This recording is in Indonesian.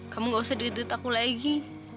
kamu enggak usah deg deget aku lagi